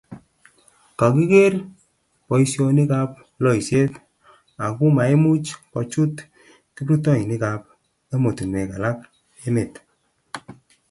kikiker boisionik ab loiset aku maimuch kochut kiprutoinikab emotinwek alak emet